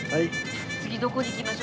次どこに行きましょう？